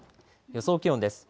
予想気温です。